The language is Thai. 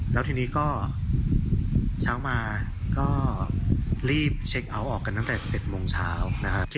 แล้วทีนี้ก็เช้ามาก็รีบเช็คเอาท์ออกกันตั้งแต่๗โมงเช้านะครับ